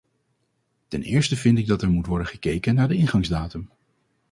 Ten eerste vind ik dat er moet worden gekeken naar de ingangsdatum.